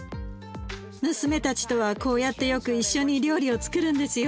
娘たちとはこうやってよく一緒に料理をつくるんですよ。